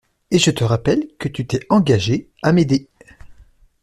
Et je te rappelle que tu t’es engagée à m’aider.